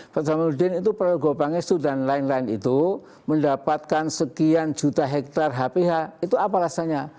pak jamaludin itu prabowo gopangestu dan lain lain itu mendapatkan sekian juta hektare hph itu apa rasanya